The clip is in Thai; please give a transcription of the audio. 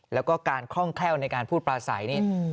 แล้วก็การคล่องแคล่วในการพูดปลาใสนี่